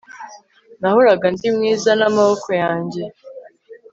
Nahoraga ndi mwiza namaboko yanjye